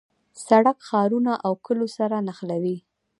سړک ښارونه او کلیو سره نښلوي.